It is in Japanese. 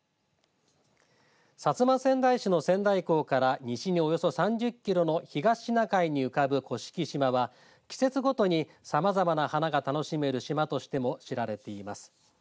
薩摩川内市の仙台港から西におよそ３０キロの東シナ海に浮かぶ甑島は季節ごとにさまざまな花が楽しめる島としても知られています。